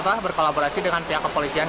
telah berkolaborasi dengan pihak kepolisian